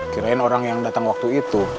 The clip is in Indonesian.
kirain orang yang datang waktu itu